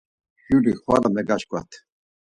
Juri xvala megaşkvat.